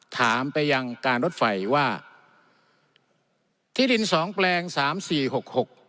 ถามไปยังการรถไฟว่าที่ดินสองแปลงสามสี่หกหก